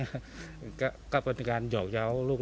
แล้วทำไมแม่ปุ๊กถึงได้มีการตอบชัดต่ออีก๒นึง